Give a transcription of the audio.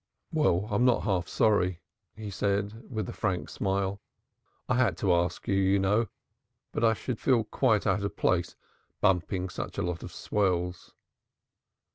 "Well, I'm not half sorry," he said, with a frank smile. "I had to ask you, you know. But I should feel quite out of place bumping such a lot of swells."